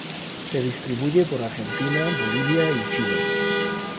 Se distribuye por Argentina, Bolivia y Chile.